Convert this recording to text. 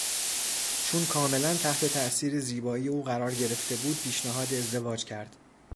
چون کاملا تحت تاثیر زیبایی او قرار گرفته بود پیشنهاد ازدواج کرد.